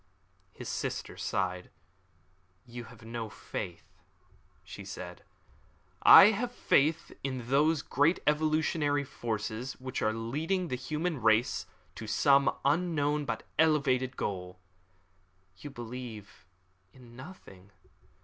His sister sighed. "You have no faith," she said. "I have faith in those great evolutionary forces which are leading the human race to some unknown but elevated goal." "You believe in nothing."